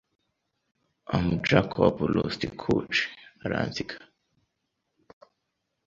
Am Jakob Rusticucci aransiga